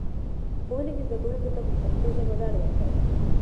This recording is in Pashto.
ښوونکي زده کوونکو ته په پښتو ژبه ډاډ ورکړ.